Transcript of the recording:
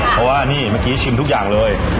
เพราะว่านี่เมื่อกี้ชิมทุกอย่างเลย